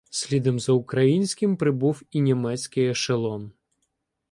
Слідом за українським прибув і німецький ешелон.